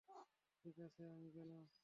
ঠিক আছে, আমি গেলাম।